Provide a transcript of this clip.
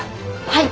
はい。